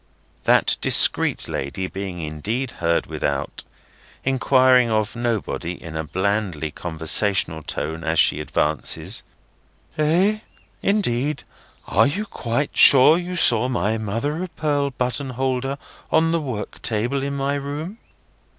That discreet lady being indeed heard without, inquiring of nobody in a blandly conversational tone as she advances: "Eh? Indeed! Are you quite sure you saw my mother of pearl button holder on the work table in my room?"